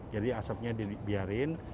jadi asapnya dibiarin